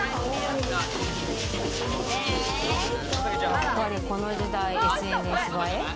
やっぱり、この時代、ＳＮＳ映え？